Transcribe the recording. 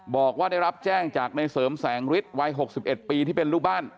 บอกว่าได้รับแจ้งจากในเสริมแสงฤทธิ์วัย๖๑ปีที่เป็นลูกบ้าน